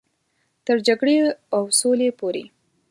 تر جګړې او سولې پورې.